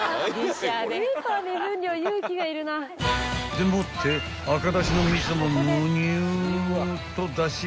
［でもって赤だしの味噌もむにゅっと出しまして］